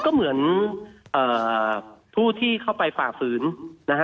ก็เหมือนผู้ที่เข้าไปฝ่าฝืนนะฮะ